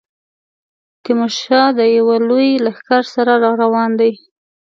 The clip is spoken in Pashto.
تیمورشاه د یوه لوی لښکر سره را روان دی.